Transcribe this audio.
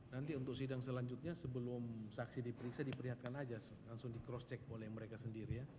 nanti untuk sidang selanjutnya sebelum saksi diperiksa diperlihatkan aja langsung di cross check oleh mereka sendiri ya